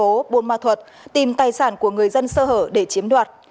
công an thành phố buôn ma thuật tìm tài sản của người dân sơ hở để chiếm đoạt